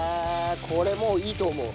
これもういいと思う。